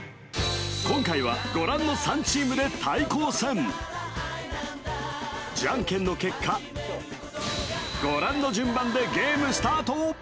今回はご覧の３チームで対抗戦ジャンケンの結果ご覧の順番でゲームスタート